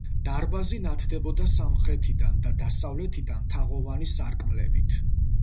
დარბაზი ნათდებოდა სამხრეთიდან და დასავლეთიდან თაღოვანი სარკმლებით.